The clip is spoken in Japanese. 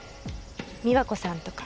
美和子さんとか。